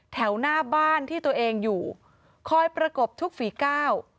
แถวหน้าบ้านที่ตัวเองอยู่คอยประกบทุกฝีก้าว